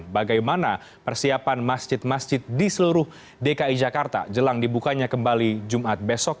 bagaimana persiapan masjid masjid di seluruh dki jakarta jelang dibukanya kembali jumat besok